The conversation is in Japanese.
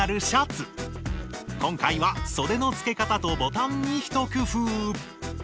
今回はそでの付け方とボタンにひと工夫。